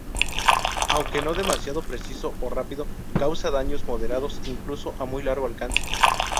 Aunque no demasiado preciso, o rápido, causa daños moderados, incluso a muy largo alcance.